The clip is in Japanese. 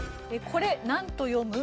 「これなんと読む？」。